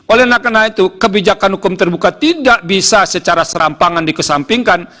oleh karena itu kebijakan hukum terbuka tidak bisa secara serampangan dikesampingkan